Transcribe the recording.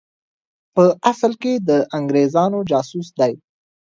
په اصل کې د انګرېزانو جاسوس دی.